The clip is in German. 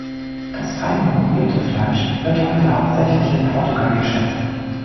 Das fein marmorierte Fleisch wird heute hauptsächlich in Portugal geschätzt.